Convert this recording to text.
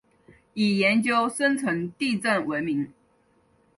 以研究深层地震闻名。